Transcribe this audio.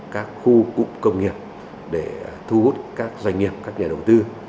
các khu cụm công nghiệp để thu hút các doanh nghiệp các nhà đầu tư